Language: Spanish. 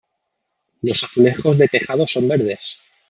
Los azulejos de tejado son verdes.